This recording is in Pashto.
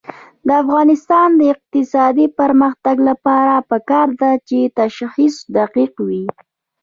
د افغانستان د اقتصادي پرمختګ لپاره پکار ده چې تشخیص دقیق وي.